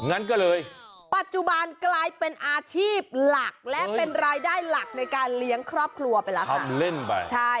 งั้นก็เลยปัจจุบันกลายเป็นอาชีพหลักและเป็นรายได้หลักในการเลี้ยงครอบครัวไปแล้วทำเล่นไปใช่